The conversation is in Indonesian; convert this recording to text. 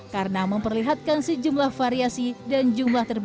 karena memperlihatkan sejumlah variasi dan jumlah terbesar